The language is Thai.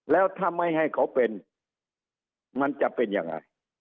แล้วถ้าไม่ให้เขาเป็นมันจะเป็นยังไง